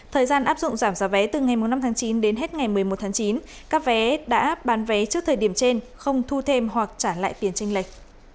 thời gian áp dụng giảm giá vé từ ngày năm tháng chín đến hết ngày một mươi một tháng chín các vé đã bán vé trước thời điểm trên không thu thêm hoặc trả lại tiền tranh lệch